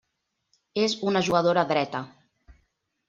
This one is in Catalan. És una jugadora dreta.